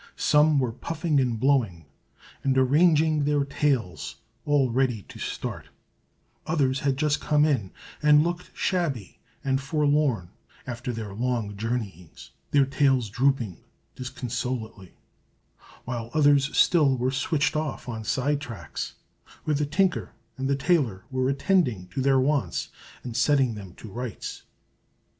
Some were puffing and blowing, and arranging their tails, all ready to start; others had just come in, and looked shabby and forlorn after their long journeyings, their tails drooping disconsolately; while others still were switched off on side tracks, where the tinker and the tailor were attending to their wants, and setting them to rights.